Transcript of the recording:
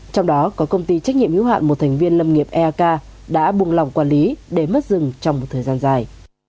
trong đó có công ty trách nhiệm hữu hạn một thành viên lâm nghiệp eak đã buông lòng quản lý để mất rừng trong một thời gian dài